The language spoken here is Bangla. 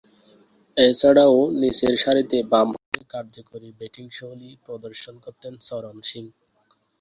এছাড়াও, নিচেরসারিতে বামহাতে কার্যকরী ব্যাটিংশৈলী প্রদর্শন করতেন চরণ সিং।